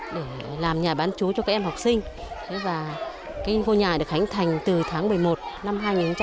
để làm nhà bán chú cho các em học sinh ngôi nhà được hành thành từ tháng một mươi một năm hai nghìn một mươi sáu